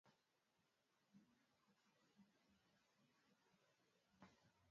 Alisogelea kitanda akalitoa shuka lake